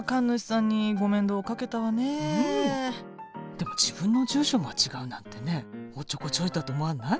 でも自分の住所間違うなんてねおっちょこちょいだと思わない？